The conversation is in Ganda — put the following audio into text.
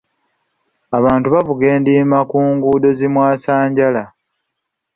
Abantu bavuga endiima ku nguudo zi mwasanjala.